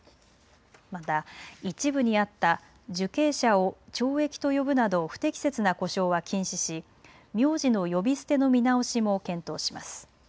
また一部にあった受刑者を懲役と呼ぶなど不適切な呼称は禁止し名字の呼び捨ての見直しも検討します。